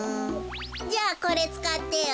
じゃあこれつかってよ。